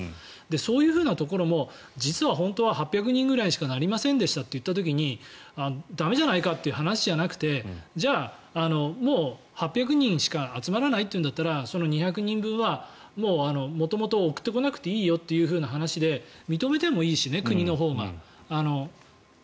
そういうところも実は本当は８００人ぐらいにしかなりませんでしたといった時に駄目じゃないかという話じゃなくてじゃあ、もう８００人しか集まらないというのなら２００人分は元々、送ってこなくていいよという話で認めてもいいし、国のほうがね。